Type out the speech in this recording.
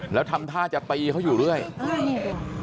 แล้วทำท่าจะตีเขาอยู่กับนี่